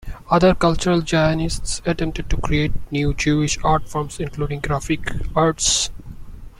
Other cultural Zionists attempted to create new Jewish art forms, including graphic arts.